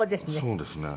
そうですね。